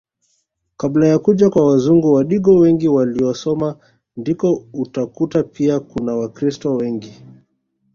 Kabla ya kuja kwa mzungu Wadigo wengi waliosoma ndiko utakuta pia kuna wakiristo wengi